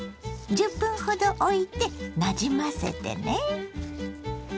１０分ほどおいてなじませてね。